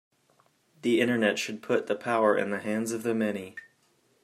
The Internet should put the power in the hands of the many.